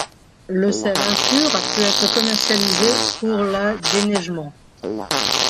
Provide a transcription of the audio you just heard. Le sel impur a pu être commercialisé pour la déneigement.